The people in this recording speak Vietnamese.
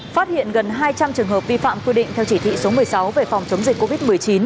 phát hiện gần hai trăm linh trường hợp vi phạm quy định theo chỉ thị số một mươi sáu về phòng chống dịch covid một mươi chín